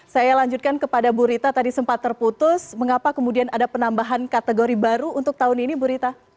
saya lanjutkan kepada bu rita tadi sempat terputus mengapa kemudian ada penambahan kategori baru untuk tahun ini bu rita